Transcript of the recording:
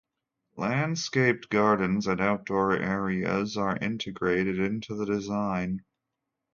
Landscaped gardens and outdoor areas are integrated into the design.